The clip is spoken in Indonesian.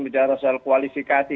bicara soal kualifikasi